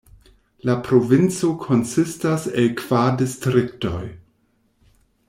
La provinco konsistas el kvar distriktoj.